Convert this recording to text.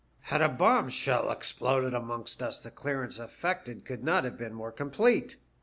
Had a bomb shell exploded amongst us the clearance effected could not have been more complete.